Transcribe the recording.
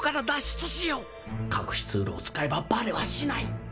隠し通路を使えばバレはしない。